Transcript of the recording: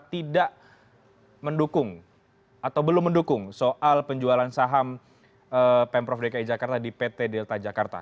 tidak mendukung atau belum mendukung soal penjualan saham pemprov dki jakarta di pt delta jakarta